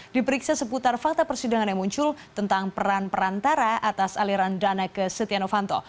diperiksa seputar fakta persidangan yang muncul tentang peran perantara atas aliran dana ke setia novanto